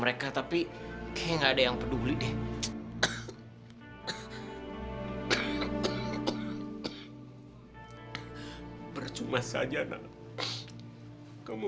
mereka sudah tidak punya bapak lagi